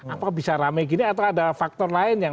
apa bisa rame gini atau ada faktor lain yang